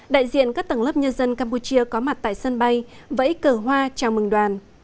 đại diện các tầng lớp nhân dân campuchia có mặt tại sân bay vẫy cờ hoa chào mừng đoàn